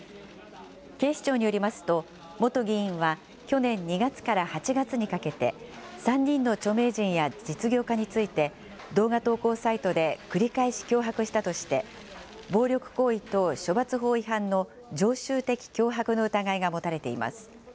警視庁によりますと、元議員は去年２月から８月にかけて、３人の著名人や実業家について、動画投稿サイトで繰り返し脅迫したとして、暴力行為等処罰法違反の常習的脅迫の疑いが持たれています。